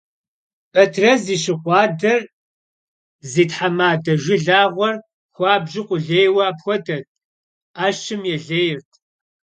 Beterez yi şıkhu adejır zi themade jjılağuer xuabju khulêyue apxuedet, 'eşım yêlejırt.